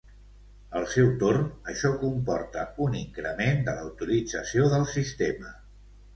Al seu torn, això comporta un increment de la utilització del sistema.